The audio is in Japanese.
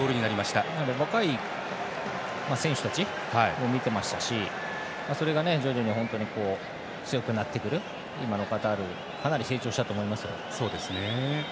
若い選手たちを見てましたしそれが徐々に強くなってくる今のカタールはかなり成長したと思いますよ。